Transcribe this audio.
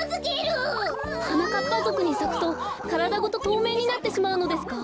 はなかっぱぞくにさくとからだごととうめいになってしまうのですか？